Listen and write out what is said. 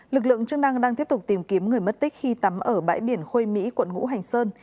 lực lượng chức năng đang tiếp tục tìm kiếm người mất tích khi tắm ở bãi biển khôi mỹ quận ngũ hành sơn